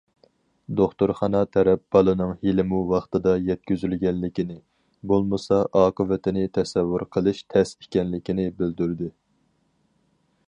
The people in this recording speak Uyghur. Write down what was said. دوختۇرخانا تەرەپ بالىنىڭ ھېلىمۇ ۋاقتىدا يەتكۈزۈلگەنلىكىنى، بولمىسا ئاقىۋىتىنى تەسەۋۋۇر قىلىش تەس ئىكەنلىكىنى بىلدۈردى.